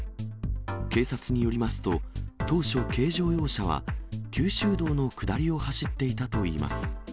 警察によりますと、当初軽乗用車は、九州道の下りを走っていたといいます。